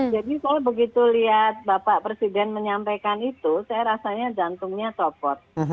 jadi saya begitu lihat bapak presiden menyampaikan itu saya rasanya jantungnya copot